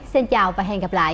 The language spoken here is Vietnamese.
xin chào và hẹn gặp lại